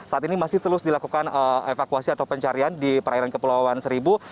saat ini masih terus dilakukan evakuasi atau pencarian di perairan kepulauan seribu